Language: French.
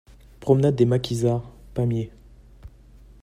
Promenade des Maquisards, Pamiers